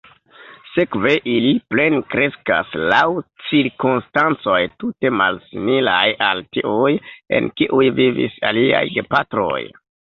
Sekve ili plenkreskas laŭ cirkonstancoj tute malsimilaj al tiuj, en kiuj vivis iliaj gepatroj.